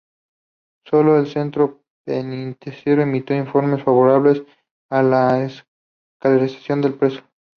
Solo el centro penitenciario emitió informes favorables a la excarcelación del preso.